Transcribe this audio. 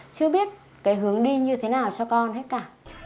chưa biết cái hướng đi như thế nào cho con hết cả